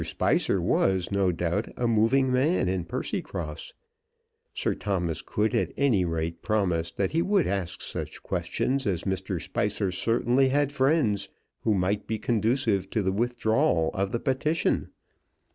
Spicer was, no doubt, a moving man in Percycross. Sir Thomas could at any rate promise that he would ask such questions, as Mr. Spicer certainly had friends who might be conducive to the withdrawal of the petition.